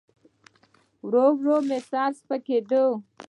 ورو ورو مې سر سپکېده.